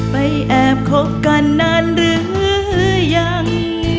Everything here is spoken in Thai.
แอบคบกันนานหรือยัง